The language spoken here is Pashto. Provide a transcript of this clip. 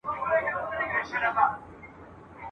چي یې وکتل تر شا زوی یې کرار ځي !.